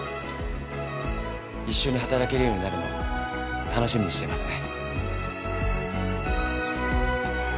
一緒に働けるようになるのを楽しみにしてますね。